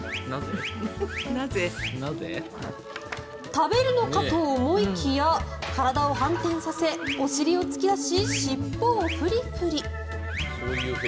食べるのかと思いきや体を反転させおしりを突き出し尻尾を振り振り。